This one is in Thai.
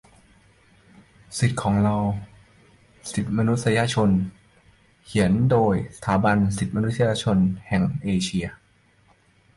สิทธิของเรา สิทธิมนุษยชน เขียนโดยสถาบันสิทธิมนุษยชนแหงเอเชีย